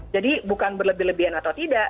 jadi bukan berlebih lebihan atau tidak